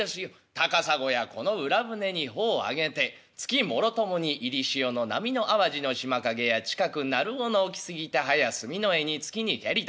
『高砂やこの浦舟に帆を上げて月もろともに入り潮の波の淡路の島影や近く鳴尾の沖過ぎてはやすみのえに着きにけり』と。